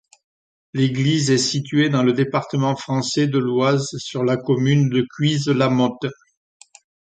L'église est située dans le département français de l'Oise, sur la commune de Cuise-la-Motte.